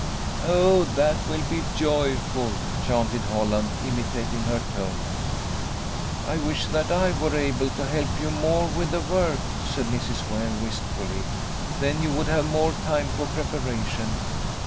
"Oh, that will be joyful," chanted Holland, imitating her tone. "I wish that I were able to help you more with the work," said Mrs. Ware, wistfully. "Then you would have more time for preparation.